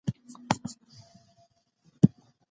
هغه پوه شو چې چاپېریال څومره مهم دی.